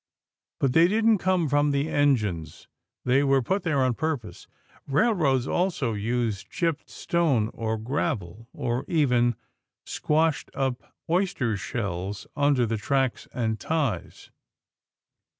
But they didn't come from the engines. They were put there on purpose. Railroads also use chipped stone or gravel or even squashed up oyster shells under the tracks and ties.